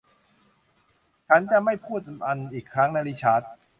ฉันจะไม่พูดมันอีกครั้งนะริชาร์ด